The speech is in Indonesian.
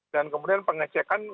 dan kemudian pengecekan